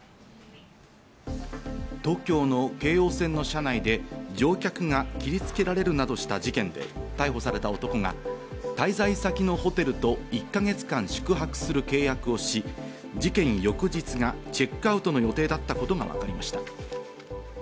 東京の京王線の車内で、乗客が切りつけられるなどした事件で、逮捕された男が滞在先のホテルと１か月間宿泊する契約をし、事件翌日がチェックアウトの予定だったことがわかりました。